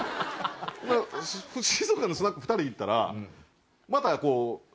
静岡のスナック２人で行ったらまた。